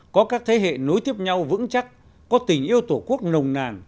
có các thế hệ nối tiếp nhau vững chắc có tình yêu tổ quốc nồng nàn